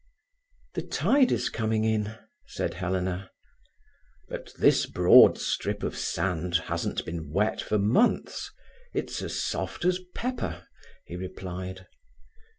"The tide is coming in," said Helena. "But this broad strip of sand hasn't been wet for months. It's as soft as pepper," he replied.